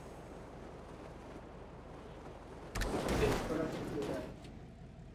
kunatokana na hali ya